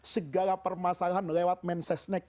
segala permasalahan lewat mensesnek